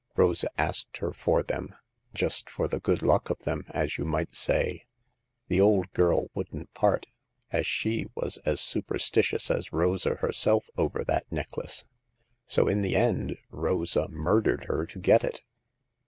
Rosa asked her for them, just for the good luck of them, as you might say. The old girl wouldn't part, as she was as superstitious as Rosa herself over that necklace ; so in the end Rosa murdered her to get it.''